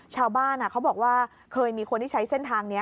ชาวบ้านเขาบอกว่าเคยมีคนที่ใช้เส้นทางนี้